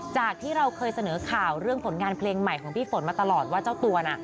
จากที่เราเคยเสนอข่าวเรื่องผลงานเพลงใหม่ของพี่ฝนมาตลอดว่าเจ้าตัวน่ะ